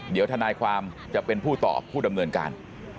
เดี๋ยวทนายความจะเป็นผู้ตอบผู้ดำเนินการ